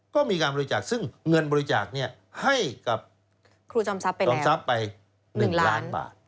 ก็มีการบริจาคซึ่งเงินบริจาคให้กับครูจอมทรัพย์ไป๑ล้านบาท